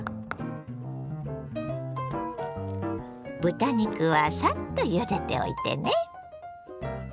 豚肉はサッとゆでておいてね。